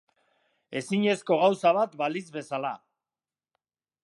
Ezinezko gauza bat balitz bezala.